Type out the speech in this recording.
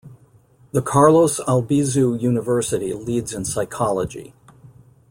The Carlos Albizu University leads in psychology.